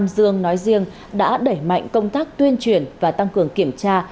dương nói riêng đã đẩy mạnh công tác tuyên truyền và tăng cường kiểm tra